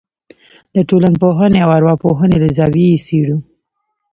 د ټولنپوهنې او ارواپوهنې له زاویې یې څېړو.